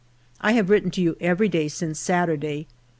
I have written to you every day since Saturday.